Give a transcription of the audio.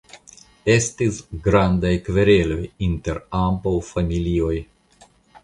Estis grandaj kvereloj inter ambaŭ familioj.